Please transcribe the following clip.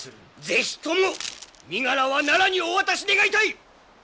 是非とも身柄は奈良にお渡し願いたい！